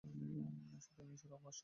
সুতরাং, ঈশ্বর আমার সহায় হউন।